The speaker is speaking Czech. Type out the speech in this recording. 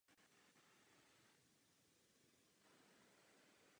Tuto důležitost myslím nakonec uznala i Komise.